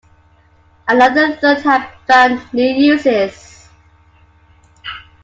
Another third have found new uses.